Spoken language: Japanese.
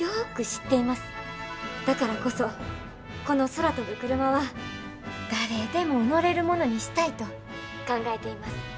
だからこそこの空飛ぶクルマは誰でも乗れるものにしたいと考えています。